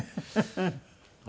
フフフフ。